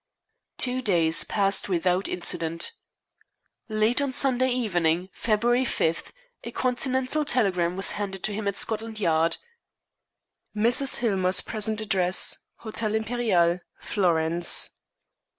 Two days passed without incident. Late on Sunday evening, February 5, a Continental telegram was handed to him at Scotland Yard: "Mrs. Hillmer's present address, Hotel Imperiale, Florence."